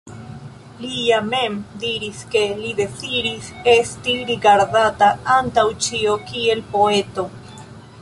Li ja mem diris ke li deziris esti rigardata, antaŭ ĉio, kiel poeto.